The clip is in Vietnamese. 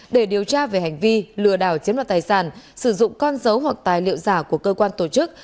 để điều tra về hành vi lừa đảo chiếm đoạt tài sản sử dụng con dấu hoặc tài liệu giả của cơ quan tổ chức